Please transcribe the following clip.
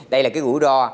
đây là cái rủi ro